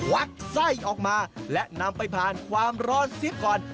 วัดไส้ออกมาและนำไปผ่านความร้อนซิบก่อน